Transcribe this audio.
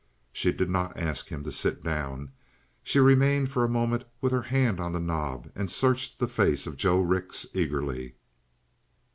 She did not ask him to sit down. She remained for a moment with her hand on the knob and searched the face of Joe Rix eagerly.